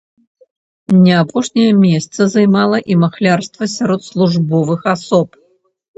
Не апошняе месца займала і махлярства сярод службовых асоб.